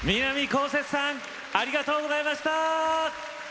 こうせつさんありがとうございました。